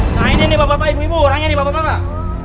nah ini nih bapak ibu orangnya nih bapak ibu